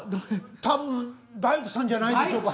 多分大工さんじゃないでしょうか。